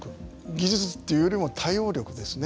技術っていうよりも対応力ですね。